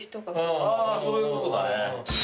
あぁそういうことだね。